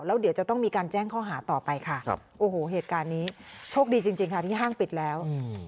แล้วเดี๋ยวจะต้องมีการแจ้งข้อหาต่อไปค่ะโอ้โหเหตุการณ์นี้โชคดีจริงค่ะที่ห้างปิดแล้ว